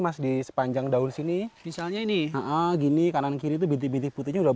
mas di sepanjang daun sini misalnya ini nah gini kanan kiri itu bintik bintik putihnya